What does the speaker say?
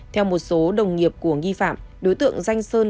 theo một số đồng nghiệp của nghi phạm đối tượng danh sơn